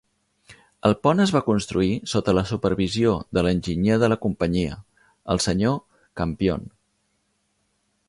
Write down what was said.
El pont es va construir sota la supervisió de l'enginyer de la companyia, el Sr. Campion.